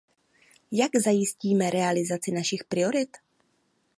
Jak zajistíme realizaci našich priorit?